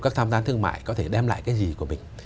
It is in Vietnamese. các thăm tán thương mại có thể đem lại cái gì của mình